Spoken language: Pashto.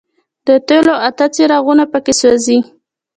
د تېلو اته څراغونه په کې سوځي.